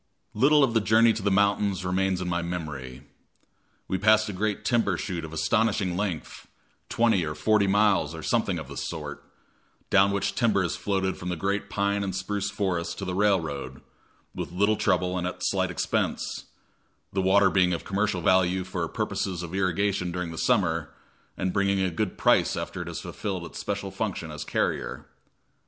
Little of the journey to the mountains remains in my memory. We passed a great timber chute of astonishing length twenty or forty miles, or something of the sort down which timber is floated from the great pine and spruce forests to the railroad, with little trouble and at slight expense; the water being of commercial value for purposes of irrigation during the summer, and bringing a good price after it has fulfilled its special function as carrier.